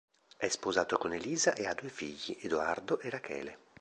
È sposato con Elisa e ha due figli, Edoardo e Rachele.